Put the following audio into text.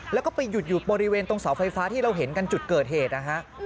แล้วก็ไปหยุดอยู่บริเวณตรงเสาไฟฟ้าที่เราเห็นกันจุดเกิดเหตุนะฮะ